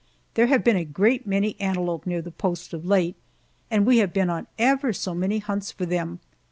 There have been a great many antelope near the post of late, and we have been on ever so many hunts for them.